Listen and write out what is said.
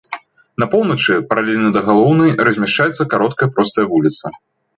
На поўначы, паралельна да галоўнай размяшчаецца кароткая простая вуліца.